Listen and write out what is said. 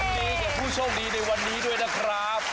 ดีแก่ผู้โชคดีในวันนี้ด้วยนะครับ